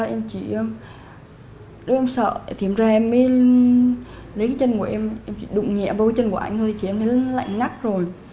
em mới vô em mới bảo em mới bảo